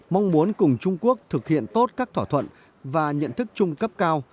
mong muốn cùng trung quốc thực hiện tốt các thỏa thuận và nhận thức chung cấp cao